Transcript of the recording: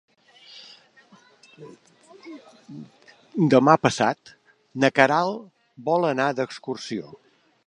Demà passat na Queralt vol anar d'excursió.